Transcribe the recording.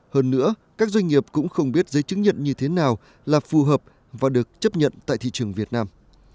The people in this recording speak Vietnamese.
hơn nữa các doanh nghiệp cũng không biết giấy chứng nhận như thế nào là phù hợp và được chấp nhận tại thị trường việt nam